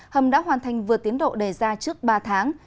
hầm đã hoàn thành vượt tiến độ đề ra trước ba tháng